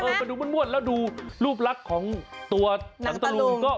มันดูมั่นม่วนแล้วดูรูปรักของตัวน้างตะลุง